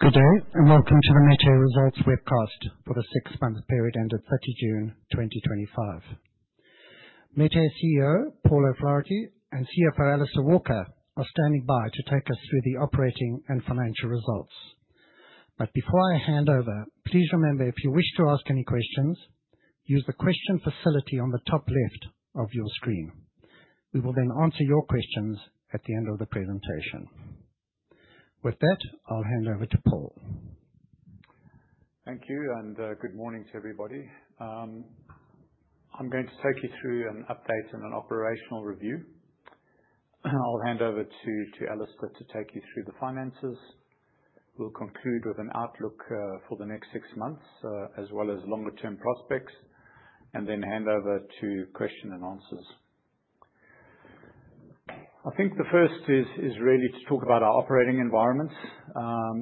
Good day, and welcome to the Metair Results Webcast for the six-month period ended 30 June 2025. Metair CEO, Paul O'Flaherty, and CFO, Alastair Walker, are standing by to take us through the operating and financial results. Before I hand over, please remember, if you wish to ask any questions, use the question facility on the top left of your screen. We will then answer your questions at the end of the presentation. With that, I will hand over to Paul. Thank you, good morning to everybody. I'm going to take you through an update and an operational review. I'll hand over to Alastair to take you through the finances. We'll conclude with an outlook for the next six months, as well as longer-term prospects, and then hand over to question and answers. I think the first is really to talk about our operating environments.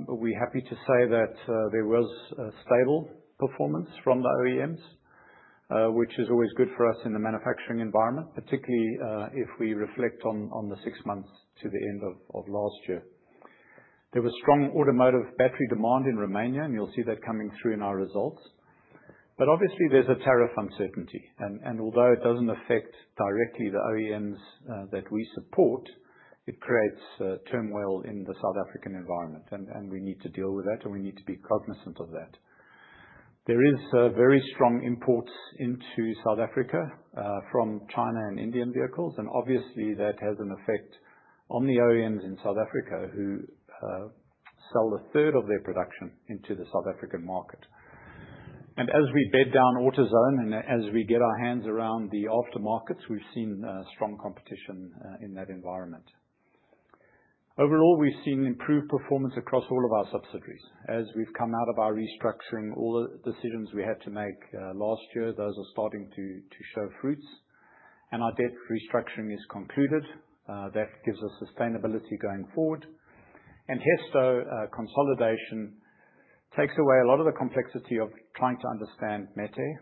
We're happy to say that there was a stable performance from the OEMs, which is always good for us in the manufacturing environment, particularly if we reflect on the six months to the end of last year. There was strong automotive battery demand in Romania, and you'll see that coming through in our results. Obviously there's a tariff uncertainty, and although it doesn't affect directly the OEMs that we support, it creates turmoil in the South African environment, and we need to deal with that, and we need to be cognizant of that. There is very strong imports into South Africa, from China and Indian vehicles, and obviously that has an effect on the OEMs in South Africa who sell a third of their production into the South African market. As we bed down AutoZone, and as we get our hands around the aftermarkets, we've seen strong competition in that environment. Overall, we've seen improved performance across all of our subsidiaries. As we've come out of our restructuring, all the decisions we had to make last year, those are starting to show fruits. Our debt restructuring is concluded. That gives us sustainability going forward. Hesto consolidation takes away a lot of the complexity of trying to understand Metair.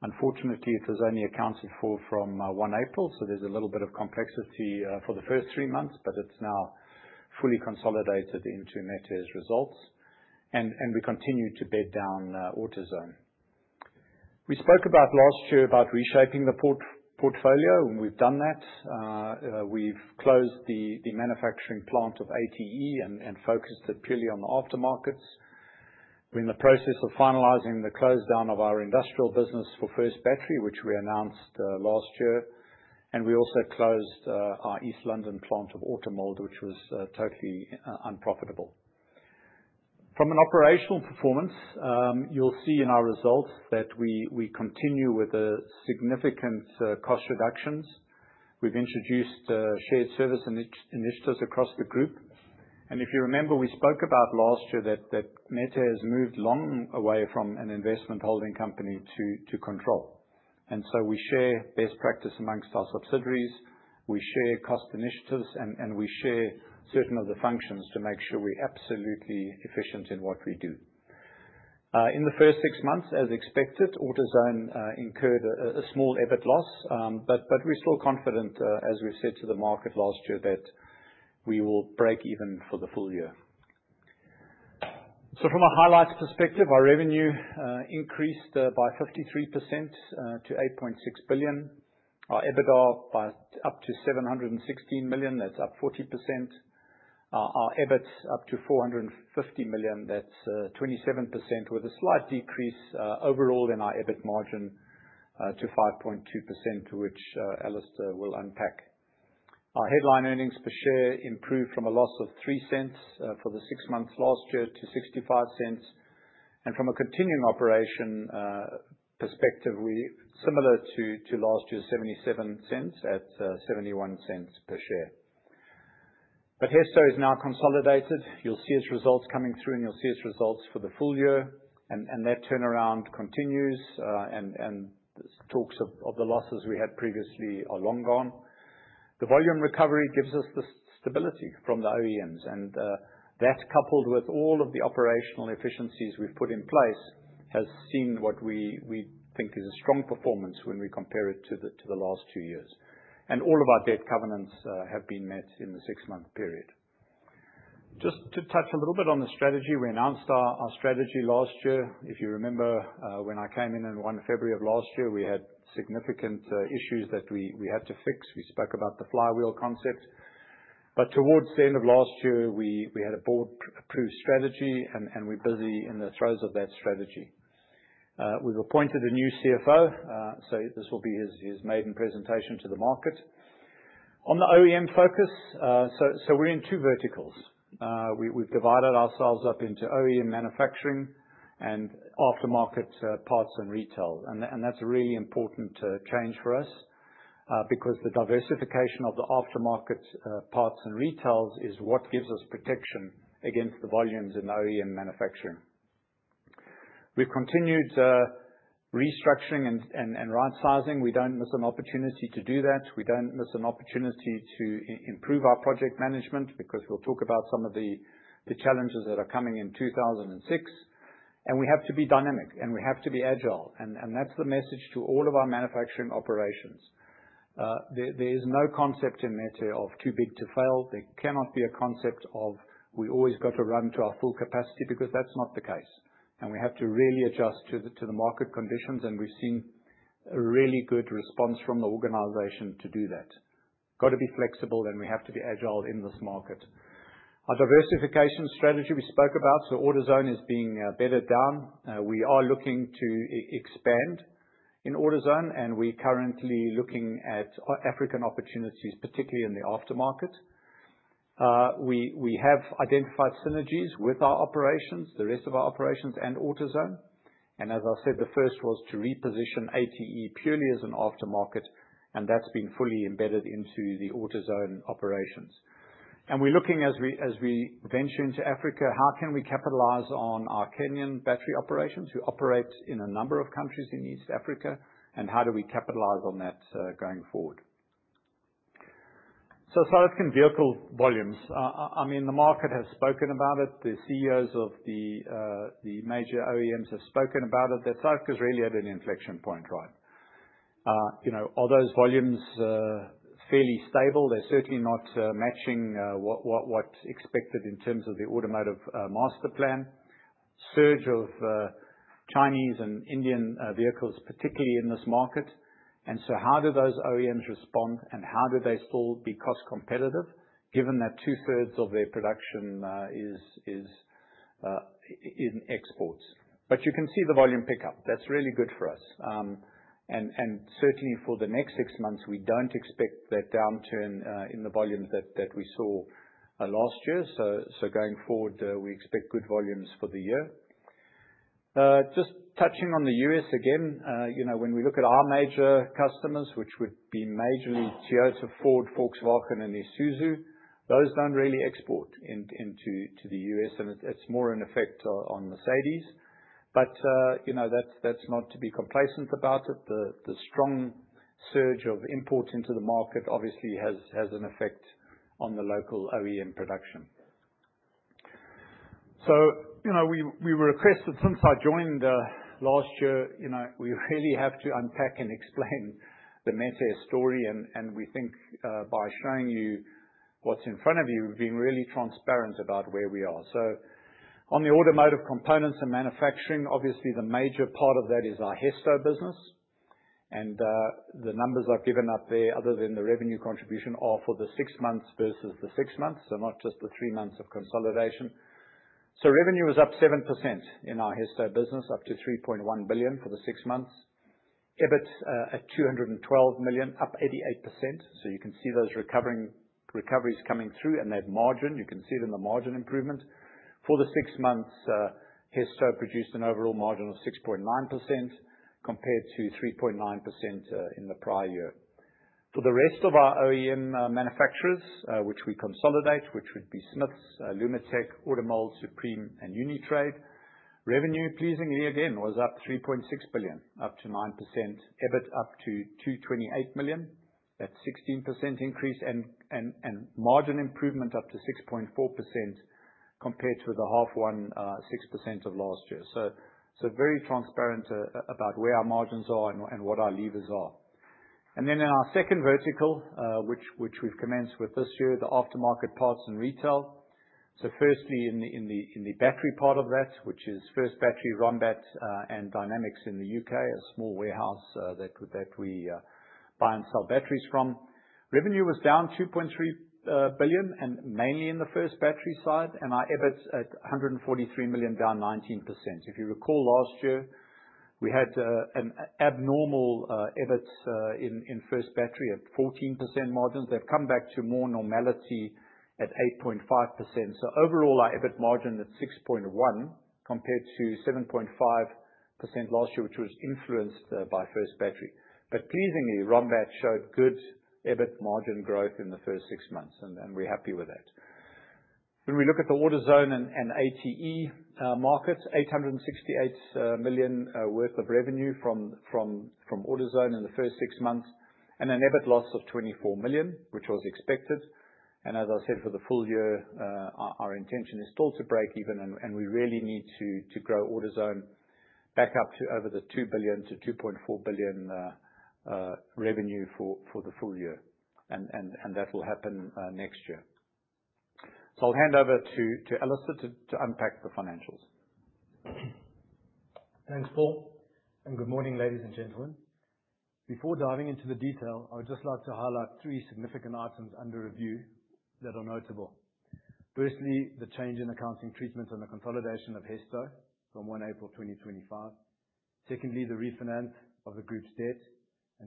Unfortunately, it is only accounted for from 1 April, so there's a little bit of complexity for the first three months, but it's now fully consolidated into Metair's results, and we continue to bed down AutoZone. We spoke last year about reshaping the portfolio, and we've done that. We've closed the manufacturing plant of ATE and focused it purely on the aftermarkets. We're in the process of finalizing the close down of our industrial business for First Battery, which we announced last year. We also closed our East London plant of Automould, which was totally unprofitable. From an operational performance, you'll see in our results that we continue with significant cost reductions. We've introduced shared service initiatives across the group. If you remember, we spoke about last year that Metair has moved long away from an investment holding company to control. We share best practice amongst our subsidiaries, we share cost initiatives, and we share certain of the functions to make sure we're absolutely efficient in what we do. In the first six months, as expected, AutoZone incurred a small EBIT loss. We're still confident, as we said to the market last year, that we will break even for the full year. From a highlights perspective, our revenue increased by 53% to 8.6 billion. Our EBITDA up to 716 million. That's up 40%. Our EBIT up to 450 million. That's 27% with a slight decrease overall in our EBIT margin to 5.2%, which Alastair will unpack. Our headline earnings per share improved from a loss of 0.03 for the six months last year to 0.65. From a continuing operation perspective, similar to last year, 0.77 at 0.71 per share. Hesto is now consolidated. You'll see its results coming through, and you'll see its results for the full year, and that turnaround continues. Talks of the losses we had previously are long gone. The volume recovery gives us the stability from the OEMs, and that coupled with all of the operational efficiencies we've put in place, has seen what we think is a strong performance when we compare it to the last two years. All of our debt covenants have been met in the six-month period. Just to touch a little bit on the strategy. We announced our strategy last year. If you remember, when I came in on 1 February of last year, we had significant issues that we had to fix. We spoke about the flywheel concept. Towards the end of last year, we had a board-approved strategy, and we're busy in the throes of that strategy. We've appointed a new CFO, this will be his maiden presentation to the market. On the OEM focus, we're in two verticals. We've divided ourselves up into OEM manufacturing and aftermarket parts and retail. That's a really important change for us, because the diversification of the aftermarket parts and retails is what gives us protection against the volumes in OEM manufacturing. We've continued restructuring and rightsizing. We don't miss an opportunity to do that. We don't miss an opportunity to improve our project management because we'll talk about some of the challenges that are coming in 2026. We have to be dynamic, and we have to be agile. That's the message to all of our manufacturing operations. There is no concept in Metair of too big to fail. There cannot be a concept of, we always got to run to our full capacity, because that's not the case. We have to really adjust to the market conditions, and we've seen a really good response from the organization to do that. Got to be flexible, and we have to be agile in this market. Our diversification strategy we spoke about, AutoZone is being bedded down. We are looking to expand in AutoZone, and we're currently looking at African opportunities, particularly in the aftermarket. We have identified synergies with our operations, the rest of our operations and AutoZone. As I said, the first was to reposition ATE purely as an aftermarket, and that's been fully embedded into the AutoZone operations. We're looking as we venture into Africa, how can we capitalize on our Kenyan battery operations? We operate in a number of countries in East Africa, and how do we capitalize on that, going forward? South African vehicle volumes. The market has spoken about it. The CEOs of the major OEMs have spoken about it, that S.A.'s really at an inflection point. Although volumes are fairly stable, they're certainly not matching what's expected in terms of the South African Automotive Master Plan. Surge of Chinese and Indian vehicles, particularly in this market. How do those OEMs respond, and how do they still be cost competitive given that two-thirds of their production is in exports? You can see the volume pickup. That's really good for us. Certainly for the next 6 months, we don't expect that downturn in the volumes that we saw last year. Going forward, we expect good volumes for the year. Just touching on the U.S. again. When we look at our major customers, which would be majorly Toyota, Ford, Volkswagen and Isuzu, those don't really export into the U.S. and it's more in effect on Mercedes. That's not to be complacent about it. The strong surge of imports into the market obviously has an effect on the local OEM production. We were requested since I joined last year, we really have to unpack and explain the Metair story, and we think, by showing you what's in front of you, being really transparent about where we are. On the automotive components and manufacturing, obviously the major part of that is our Hesto business. The numbers I've given up there, other than the revenue contribution, are for the 6 months versus the 6 months. Not just the three months of consolidation. Revenue is up 7% in our Hesto business, up to 3.1 billion for the 6 months. EBIT at 212 million, up 88%. You can see those recoveries coming through, and that margin, you can see it in the margin improvement. For the 6 months, Hesto produced an overall margin of 6.9% compared to 3.9% in the prior year. For the rest of our OEM manufacturers, which we consolidate, which would be Smiths, Lumotech, Automould, Supreme and Unitrade. Revenue, pleasingly again, was up 3.6 billion, up to 9%. EBIT up to 228 million. That's 16% increase, and margin improvement up to 6.4% compared to the half one, 6% of last year. Very transparent about where our margins are and what our levers are. Then in our second vertical, which we've commenced with this year, the aftermarket parts and retail. Firstly, in the battery part of that, which is First Battery, Rombat, and Dynamics in the U.K., a small warehouse that we buy and sell batteries from. Revenue was down 2.3 billion and mainly in the First Battery side. Our EBIT at 143 million, down 19%. If you recall last year, we had an abnormal EBIT in First Battery at 14% margins. They've come back to more normality at 8.5%. Overall, our EBIT margin at 6.1% compared to 7.5% last year, which was influenced by First Battery. Pleasingly, Rombat showed good EBIT margin growth in the first 6 months, and we're happy with that. When we look at the AutoZone and ATE markets, 868 million worth of revenue from AutoZone in the first six months, and an EBIT loss of 24 million, which was expected. As I said, for the full year, our intention is still to break even, and we really need to grow AutoZone back up to over 2 billion-2.4 billion revenue for the full year. That will happen next year. So I will hand over to Alastair to unpack the financials. Thanks, Paul, and good morning, ladies and gentlemen. Before diving into the detail, I would just like to highlight three significant items under review that are notable. Firstly, the change in accounting treatment and the consolidation of Hesto from 1 April 2025. Secondly, the refinance of the group's debt.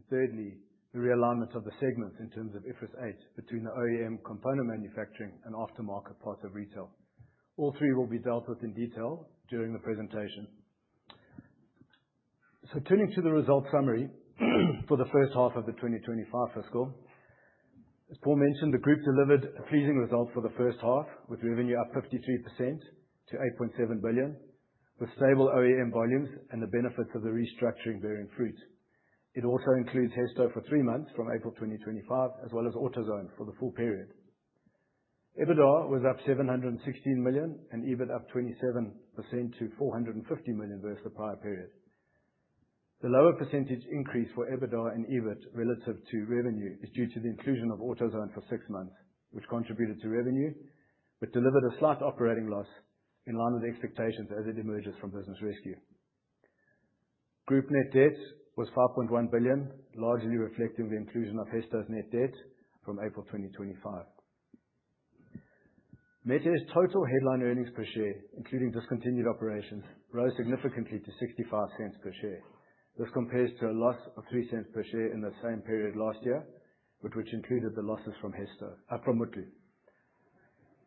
Thirdly, the realignment of the segments in terms of IFRS 8 between the OEM component manufacturing and aftermarket parts of retail. All three will be dealt with in detail during the presentation. Turning to the result summary for the first half of the 2025 fiscal. As Paul mentioned, the group delivered a pleasing result for the first half, with revenue up 53% to 8.7 billion, with stable OEM volumes and the benefits of the restructuring bearing fruit. It also includes Hesto for three months from April 2025, as well as AutoZone for the full period. EBITDA was up 716 million and EBIT up 27% to 450 million versus the prior period. The lower percentage increase for EBITDA and EBIT relative to revenue is due to the inclusion of AutoZone for six months, which contributed to revenue, but delivered a slight operating loss in line with the expectations as it emerges from business rescue. Group net debt was 5.1 billion, largely reflecting the inclusion of Hesto's net debt from April 2025. Metair's total headline earnings per share, including discontinued operations, rose significantly to 0.65 per share. This compares to a loss of 0.03 per share in the same period last year, but which included the losses from Mutlu.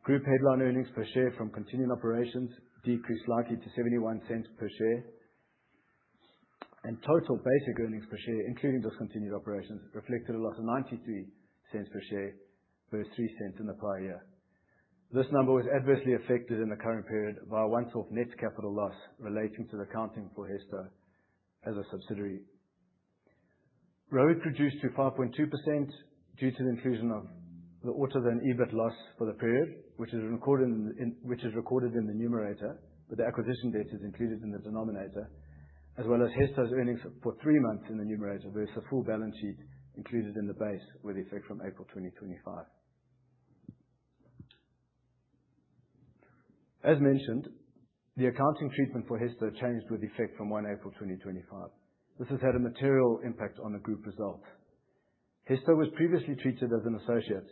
Group headline earnings per share from continuing operations decreased slightly to 0.71 per share, and total basic earnings per share, including discontinued operations, reflected a loss of 0.93 per share versus 0.03 in the prior year. This number was adversely affected in the current period by a once-off net capital loss relating to the accounting for Hesto as a subsidiary. ROIC reduced to 5.2% due to the inclusion of the AutoZone EBIT loss for the period, which is recorded in the numerator, but the acquisition debt is included in the denominator, as well as Hesto's earnings for three months in the numerator versus the full balance sheet included in the base with effect from April 2025. As mentioned, the accounting treatment for Hesto changed with effect from 1 April 2025. This has had a material impact on the group result. Hesto was previously treated as an associate,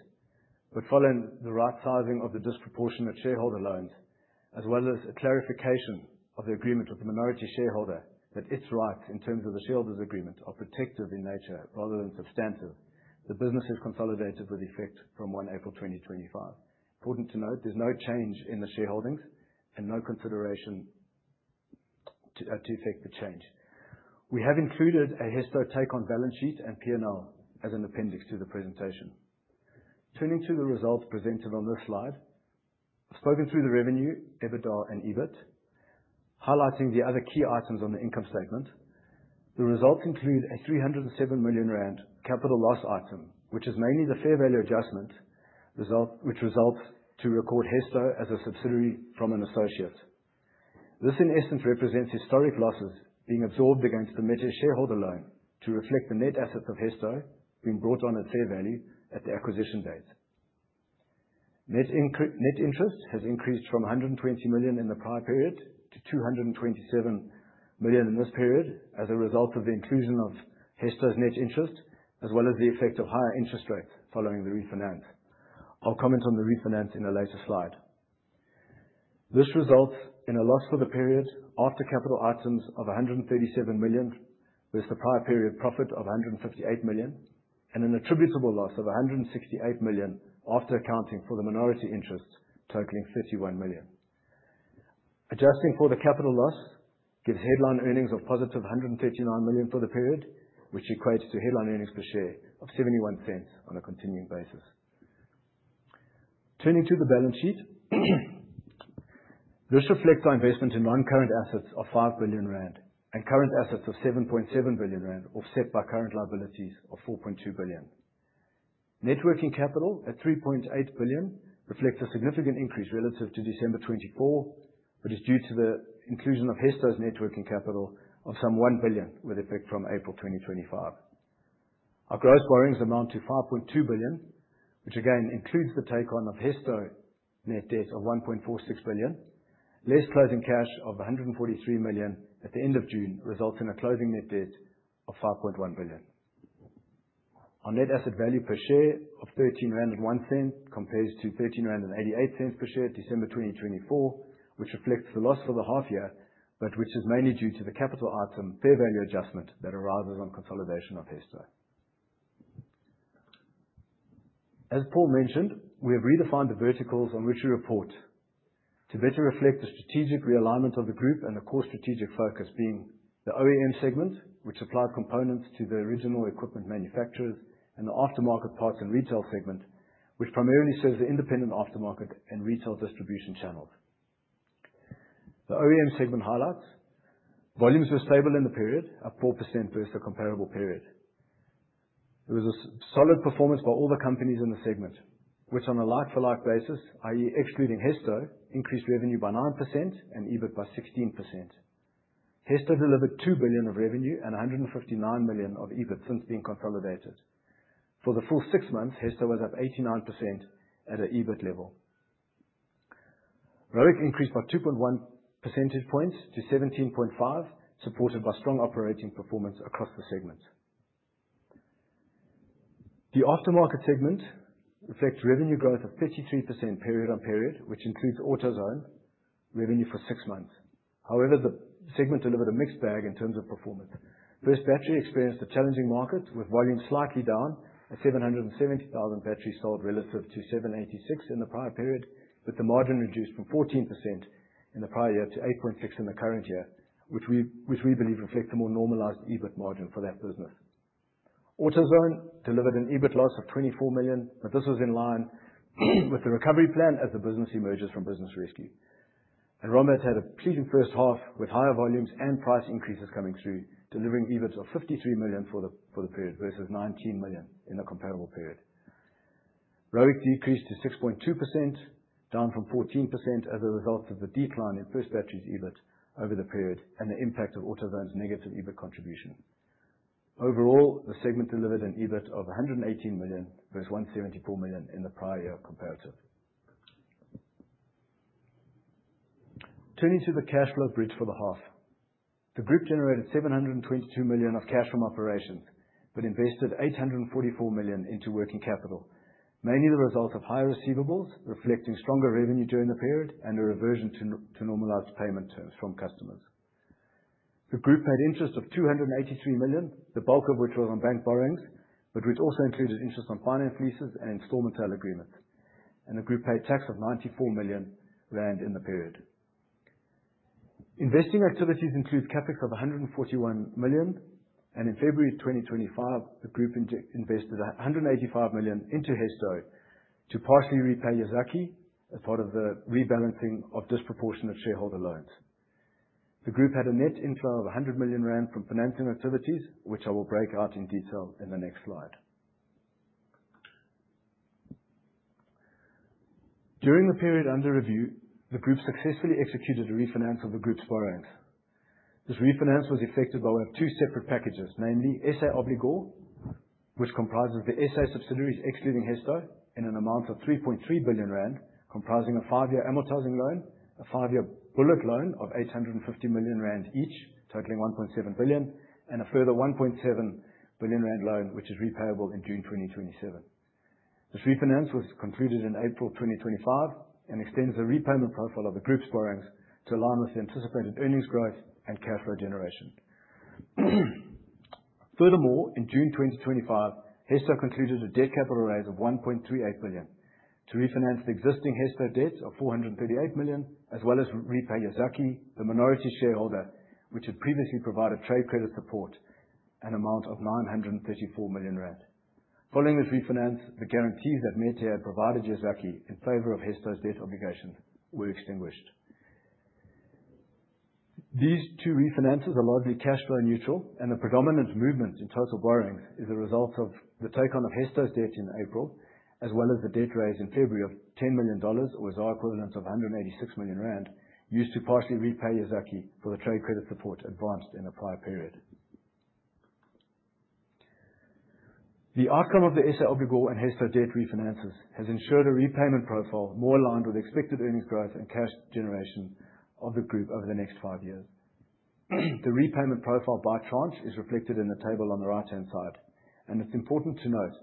but following the right sizing of the disproportionate shareholder loans, as well as a clarification of the agreement with the minority shareholder that its right in terms of the shareholders' agreement are protective in nature rather than substantive, the business has consolidated with effect from 1 April 2025. Important to note, there's no change in the shareholdings and no consideration to effect the change. We have included a Hesto take on balance sheet and P&L as an appendix to the presentation. Turning to the results presented on this slide. I've spoken through the revenue, EBITDA and EBIT, highlighting the other key items on the income statement. The results include a 307 million rand capital loss item, which is mainly the fair value adjustment, which results to record Hesto as a subsidiary from an associate. This in essence, represents historic losses being absorbed against the Metair shareholder loan to reflect the net assets of Hesto being brought on at fair value at the acquisition date. Net interest has increased from 120 million in the prior period to 227 million in this period as a result of the inclusion of Hesto's net interest, as well as the effect of higher interest rates following the refinance. I'll comment on the refinance in a later slide. This results in a loss for the period after capital items of 137 million, with a prior period profit of 158 million and an attributable loss of 168 million after accounting for the minority interests totaling 31 million. Adjusting for the capital loss gives headline earnings of positive 139 million for the period, which equates to headline earnings per share of 0.71 on a continuing basis. Turning to the balance sheet, this reflects our investment in non-current assets of 5 billion rand and current assets of 7.7 billion rand, offset by current liabilities of 4.2 billion. Net working capital at 3.8 billion reflects a significant increase relative to December 2024, which is due to the inclusion of Hesto's net working capital of some 1 billion with effect from April 2025. Our gross borrowings amount to 5.2 billion, which again includes the take-on of Hesto net debt of 1.46 billion, less closing cash of 143 million at the end of June, results in a closing net debt of 5.1 billion. Our net asset value per share of 13.01 rand compares to 13.88 rand per share December 2024, which reflects the loss for the half year, but which is mainly due to the capital item fair value adjustment that arises on consolidation of Hesto. As Paul mentioned, we have redefined the verticals on which we report to better reflect the strategic realignment of the group and the core strategic focus being the OEM segment, which supplies components to the original equipment manufacturers, and the aftermarket parts and retail segment, which primarily serves the independent aftermarket and retail distribution channels. The OEM segment highlights. Volumes were stable in the period, up 4% versus the comparable period. There was a solid performance by all the companies in the segment, which on a like-for-like basis, i.e., excluding Hesto, increased revenue by 9% and EBIT by 16%. Hesto delivered 2 billion of revenue and 159 million of EBIT since being consolidated. For the full six months, Hesto was up 89% at an EBIT level. ROIC increased by 2.1 percentage points to 17.5%, supported by strong operating performance across the segment. The aftermarket segment reflects revenue growth of 33% period on period, which includes AutoZone revenue for six months. However, the segment delivered a mixed bag in terms of performance. First Battery experienced a challenging market with volumes slightly down at 770,000 batteries sold relative to 786 in the prior period, with the margin reduced from 14% in the prior year to 8.6% in the current year, which we believe reflect a more normalized EBIT margin for that business. AutoZone delivered an EBIT loss of 24 million, but this was in line with the recovery plan as the business emerges from business rescue. Rombat had a pleasing first half with higher volumes and price increases coming through, delivering EBIT of 53 million for the period versus 19 million in the comparable period. ROIC decreased to 6.2%, down from 14% as a result of the decline in First Battery's EBIT over the period and the impact of AutoZone's negative EBIT contribution. Overall, the segment delivered an EBIT of 118 million versus 174 million in the prior year comparative. Turning to the cash flow bridge for the half. The group generated 722 million of cash from operations, but invested 844 million into working capital, mainly the result of higher receivables, reflecting stronger revenue during the period, and a reversion to normalized payment terms from customers. The group had interest of 283 million, the bulk of which was on bank borrowings, but which also included interest on finance leases and installment sale agreements, the group paid tax of 94 million rand in the period. Investing activities include CapEx of 141 million, and in February 2025, the group invested 185 million into Hesto to partially repay Yazaki as part of the rebalancing of disproportionate shareholder loans. The group had a net inflow of 100 million rand from financing activities, which I will break out in detail in the next slide. During the period under review, the group successfully executed a refinance of the group's borrowings. This refinance was effected by way of two separate packages, namely SA Obligor, which comprises the SA subsidiaries ex-leaving Hesto in an amount of 3.3 billion rand, comprising a five-year amortizing loan, a five-year bullet loan of 850 million rand each, totaling 1.7 billion, and a further 1.7 billion rand loan, which is repayable in June 2027. This refinance was concluded in April 2025 and extends the repayment profile of the group's borrowings to align with the anticipated earnings growth and cash flow generation. In June 2025, Hesto concluded a debt capital raise of 1.38 billion to refinance the existing Hesto debt of 438 million, as well as repay Yazaki, the minority shareholder, which had previously provided trade credit support, an amount of 934 million rand. Following this refinance, the guarantees that Metair had provided Yazaki in favor of Hesto's debt obligations were extinguished. These two refinances are largely cash flow neutral. The predominant movement in total borrowings is a result of the take-on of Hesto's debt in April, as well as the debt raise in February of $10 million, or ZAR equivalent of 186 million rand, used to partially repay Yazaki for the trade credit support advanced in the prior period. The outcome of the SA Obligor and Hesto debt refinances has ensured a repayment profile more aligned with expected earnings growth and cash generation of the group over the next five years. The repayment profile by tranche is reflected in the table on the right-hand side. It's important to note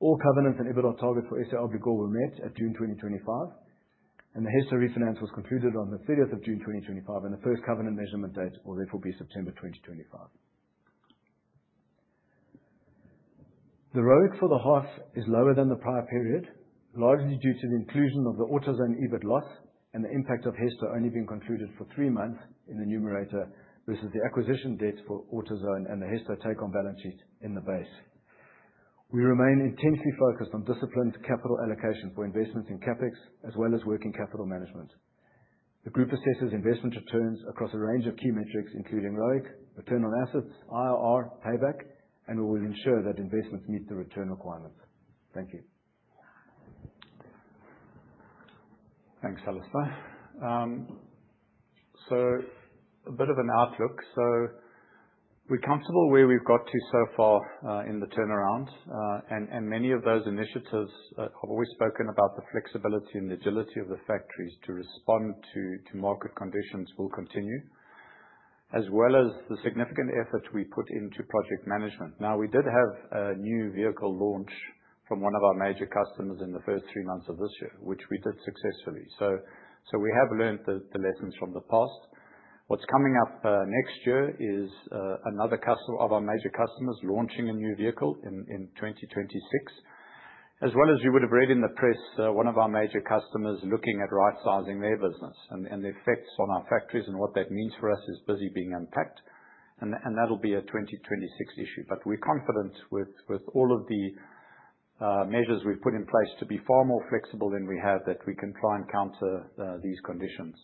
all covenants and EBITA targets for SA Obligor were met at June 2025. The Hesto refinance was concluded on the 30th of June 2025. The first covenant measurement date will therefore be September 2025. The ROIC for the half is lower than the prior period, largely due to the inclusion of the AutoZone EBIT loss and the impact of Hesto only being concluded for three months in the numerator versus the acquisition debt for AutoZone and the Hesto take-on balance sheet in the base. We remain intensely focused on disciplined capital allocation for investments in CapEx as well as working capital management. The group assesses investment returns across a range of key metrics, including ROIC, return on assets, IRR, payback. We will ensure that investments meet the return requirements. Thank you. Thanks, Alastair. A bit of an outlook. We're comfortable where we've got to so far in the turnaround. Many of those initiatives, I've always spoken about the flexibility and agility of the factories to respond to market conditions will continue, as well as the significant effort we put into project management. We did have a new vehicle launch from one of our major customers in the first three months of this year, which we did successfully. We have learnt the lessons from the past. What's coming up next year is another of our major customers launching a new vehicle in 2026. You would have read in the press, one of our major customers looking at right-sizing their business and the effects on our factories and what that means for us is busy being unpacked. That'll be a 2026 issue. We're confident with all of the measures we've put in place to be far more flexible than we have, that we can try and counter these conditions.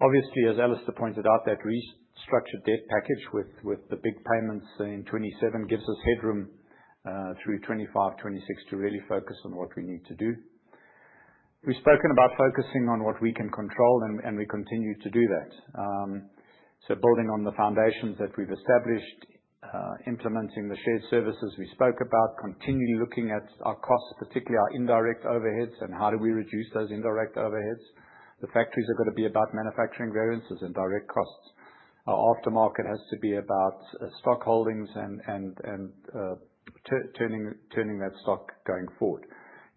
Obviously, as Alastair pointed out, that restructured debt package with the big payments in 2027 gives us headroom through 2025, 2026 to really focus on what we need to do. We've spoken about focusing on what we can control. We continue to do that. Building on the foundations that we've established, implementing the shared services we spoke about, continually looking at our costs, particularly our indirect overheads. How do we reduce those indirect overheads? The factories are going to be about manufacturing variances and direct costs. Our aftermarket has to be about stock holdings and turning that stock going forward.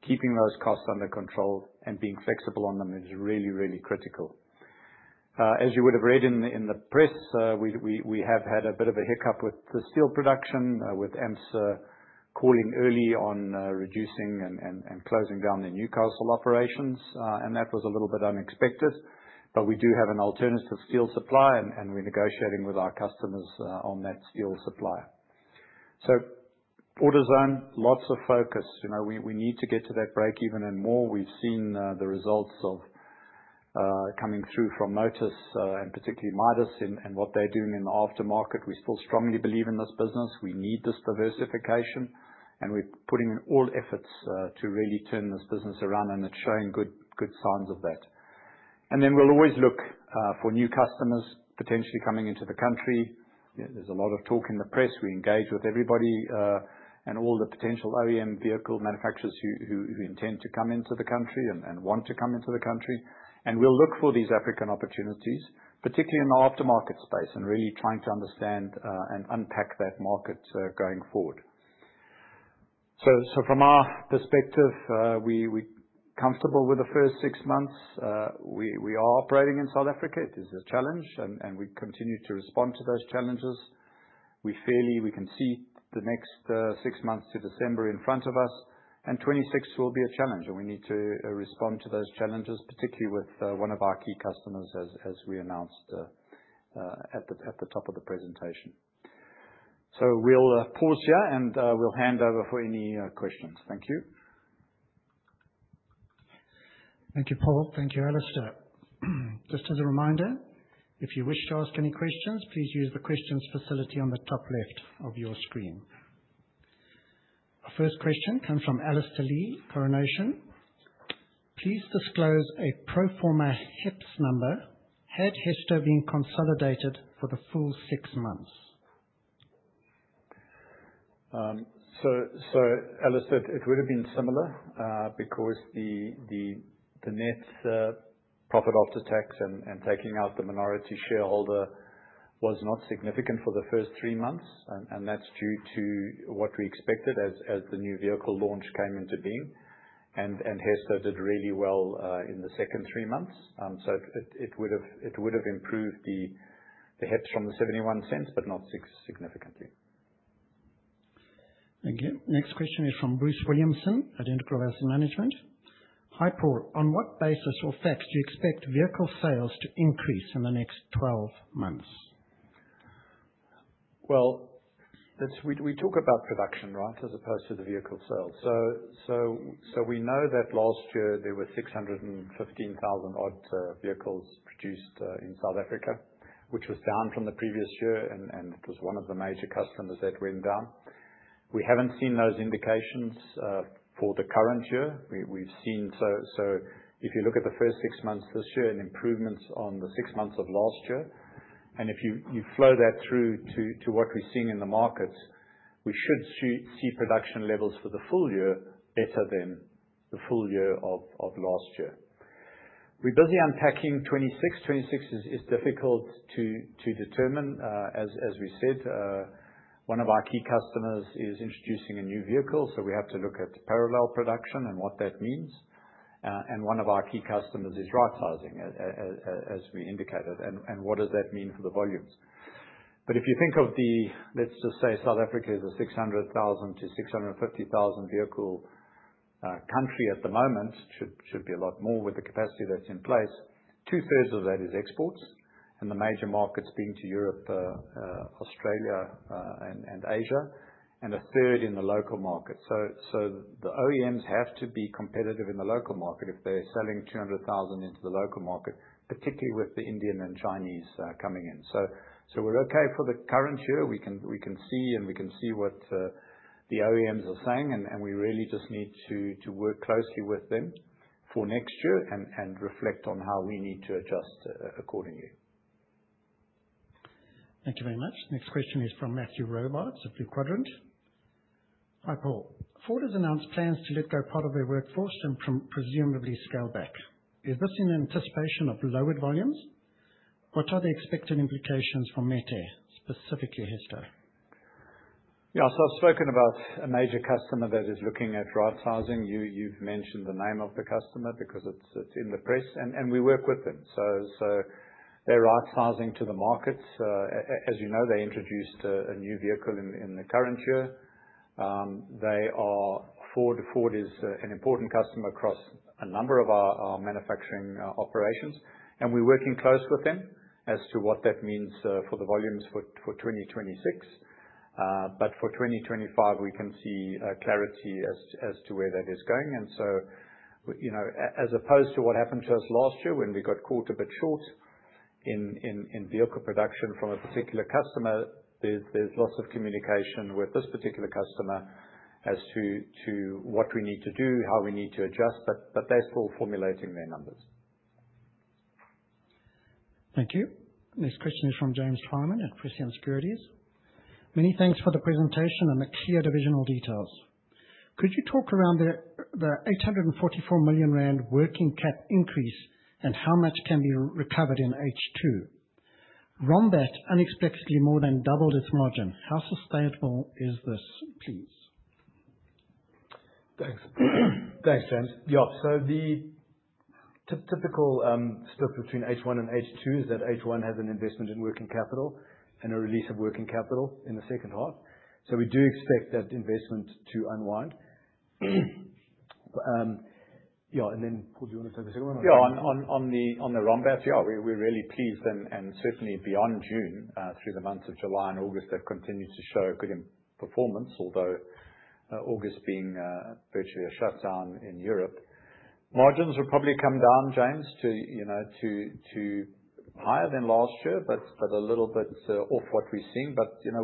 Keeping those costs under control and being flexible on them is really, really critical. As you would have read in the press, we have had a bit of a hiccup with the steel production, with AMSA calling early on reducing and closing down their Newcastle operations. That was a little bit unexpected, but we do have an alternative steel supply, and we are negotiating with our customers on that steel supply. AutoZone, lots of focus. We need to get to that breakeven and more. We have seen the results coming through from Motus, and particularly Midas, and what they are doing in the aftermarket. We still strongly believe in this business. We need this diversification, and we are putting all efforts to really turn this business around, and it is showing good signs of that. We will always look for new customers potentially coming into the country. There is a lot of talk in the press. We engage with everybody, all the potential OEM vehicle manufacturers who intend to come into the country and want to come into the country. We will look for these African opportunities, particularly in the aftermarket space, and really trying to understand, and unpack that market going forward. From our perspective, we are comfortable with the first six months. We are operating in South Africa. It is a challenge, and we continue to respond to those challenges. We can see the next six months to December in front of us, and 2026 will be a challenge, and we need to respond to those challenges, particularly with one of our key customers as we announced at the top of the presentation. We will pause here and we will hand over for any questions. Thank you. Thank you, Paul. Thank you, Alastair. Just as a reminder, if you wish to ask any questions, please use the questions facility on the top left of your screen. Our first question comes from Alistair Lea, Coronation. Please disclose a pro forma HEPS number, had Hesto been consolidated for the full six months. Alistair Lea, it would have been similar, because the net profit after tax and taking out the minority shareholder was not significant for the first three months, and that is due to what we expected as the new vehicle launch came into being. Hesto did really well in the second three months. It would have improved the HEPS from the 0.71, but not significantly. Thank you. Next question is from Bruce Williamson at Integral Asset Management. Hi, Paul. On what basis or facts do you expect vehicle sales to increase in the next 12 months? Well, we talk about production, right? As opposed to the vehicle sales. We know that last year there were 615,000 odd vehicles produced in South Africa, which was down from the previous year, and it was one of the major customers that went down. We haven't seen those indications for the current year. If you look at the first six months this year and improvements on the six months of last year, and if you flow that through to what we're seeing in the markets, we should see production levels for the full year better than the full year of last year. We're busy unpacking 2026. 2026 is difficult to determine. As we said, one of our key customers is introducing a new vehicle, so we have to look at parallel production and what that means. One of our key customers is rightsizing, as we indicated, and what does that mean for the volumes? If you think of the, let's just say South Africa is a 600,000 to 650,000 vehicle country at the moment, should be a lot more with the capacity that's in place. Two-thirds of that is exports, and the major markets being to Europe, Australia, and Asia, and a third in the local market. The OEMs have to be competitive in the local market if they're selling 200,000 into the local market, particularly with the Indian and Chinese coming in. We're okay for the current year. We can see and we can see what the OEMs are saying, and we really just need to work closely with them for next year and reflect on how we need to adjust accordingly. Thank you very much. Next question is from Matthew Robarts of Blue Quadrant. Hi, Paul. Ford has announced plans to let go part of their workforce and presumably scale back. Is this in anticipation of lowered volumes? What are the expected implications for Metair, specifically Hesto? I've spoken about a major customer that is looking at rightsizing. You've mentioned the name of the customer because it's in the press, and we work with them. They're rightsizing to the markets. As you know, they introduced a new vehicle in the current year. Ford is an important customer across a number of our manufacturing operations, and we're working close with them as to what that means for the volumes for 2026. For 2025, we can see clarity as to where that is going. As opposed to what happened to us last year when we got caught a bit short in vehicle production from a particular customer, there's lots of communication with this particular customer as to what we need to do, how we need to adjust, they're still formulating their numbers. Thank you. Next question is from James Twyman at Prescient Securities. Many thanks for the presentation and the clear divisional details. Could you talk around the 844 million rand working cap increase and how much can be recovered in H2? Rombat unexpectedly more than doubled its margin. How sustainable is this, please? Thanks, James. The typical split between H1 and H2 is that H1 has an investment in working capital and a release of working capital in the second half. We do expect that investment to unwind. Paul, do you want to say the second one? Yeah. On the Rombat, we're really pleased and certainly beyond June, through the months of July and August, they've continued to show good performance, although August being virtually a shutdown in Europe. Margins will probably come down, James, to higher than last year, but a little bit off what we've seen.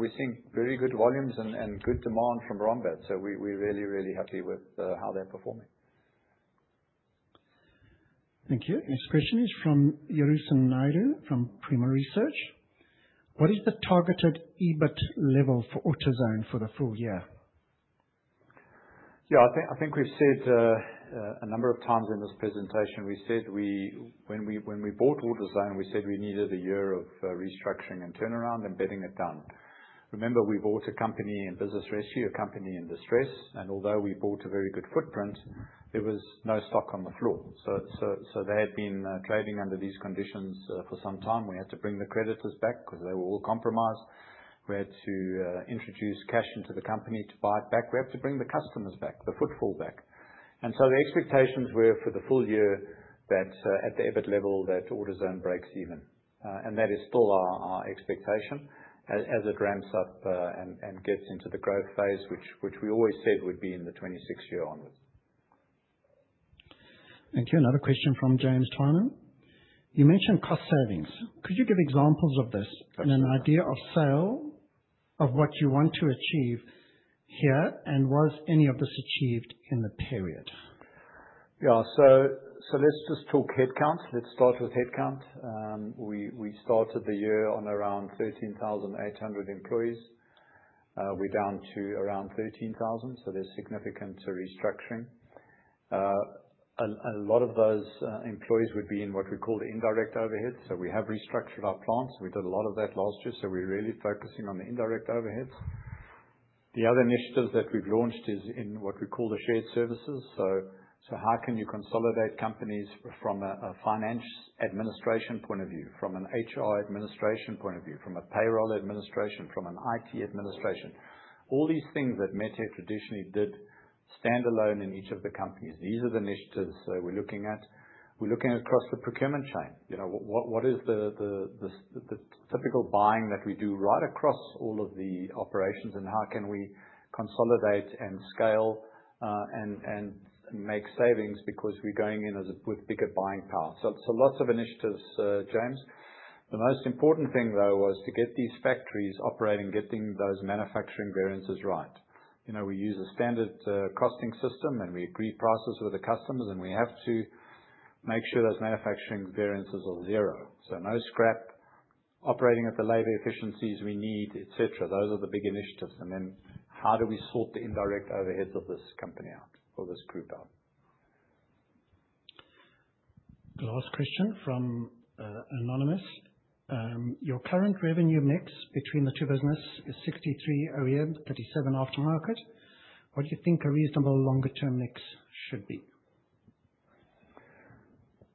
We've seen very good volumes and good demand from Rombat. We're really, really happy with how they're performing. Thank you. Next question is from Jerusan Naidoo from Prima Research. What is the targeted EBIT level for AutoZone for the full year? Yeah. I think we've said a number of times in this presentation, we said when we bought AutoZone, we said we needed a year of restructuring and turnaround and bedding it down. Remember, we bought a company in business rescue, a company in distress, and although we bought a very good footprint, there was no stock on the floor. They had been trading under these conditions for some time. We had to bring the creditors back because they were all compromised. We had to introduce cash into the company to buy it back. We had to bring the customers back, the footfall back. The expectations were for the full year that at the EBIT level, that AutoZone breaks even. That is still our expectation as it ramps up and gets into the growth phase, which we always said would be in the 2026 year onwards. Thank you. Another question from James Twyman. You mentioned cost savings. Could you give examples of this and an idea of scale of what you want to achieve here? Was any of this achieved in the period? Let's just talk headcount. Let's start with headcount. We started the year on around 13,800 employees. We're down to around 13,000, so there's significant restructuring. A lot of those employees would be in what we call the indirect overhead. We have restructured our plans. We did a lot of that last year, so we're really focusing on the indirect overheads. The other initiatives that we've launched is in what we call the shared services. How can you consolidate companies from a finance administration point of view, from an HR administration point of view, from a payroll administration, from an IT administration, all these things that Metair traditionally did standalone in each of the companies. These are the initiatives that we're looking at. We're looking across the procurement chain. What is the typical buying that we do right across all of the operations, how can we consolidate and scale, and make savings because we're going in with bigger buying power. Lots of initiatives, James. The most important thing, though, was to get these factories operating, getting those manufacturing variances right. We use a standard costing system, we agree prices with the customers, and we have to make sure those manufacturing variances are zero. No scrap operating at the labor efficiencies we need, et cetera. Those are the big initiatives. How do we sort the indirect overheads of this company out or this group out? The last question from anonymous. Your current revenue mix between the two business is 63 OEM, 37% aftermarket. What do you think a reasonable longer-term mix should be?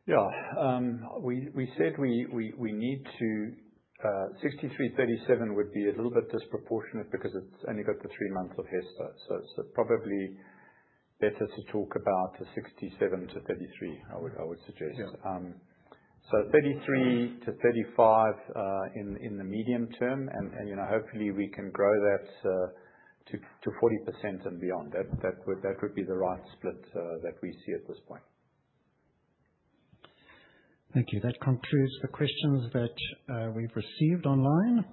We said we need to 63/37 would be a little bit disproportionate because it's only got the three months of Hesto. It's probably better to talk about a 67 to 33, I would suggest. Yeah. 33-35 in the medium-term, and hopefully we can grow that to 40% and beyond. That would be the right split that we see at this point. Thank you. That concludes the questions that we've received online.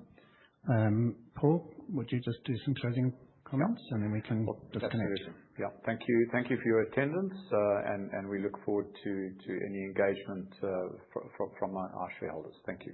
Paul, would you just do some closing comments, and then we can disconnect. Yeah. Thank you for your attendance, and we look forward to any engagement from our shareholders. Thank you.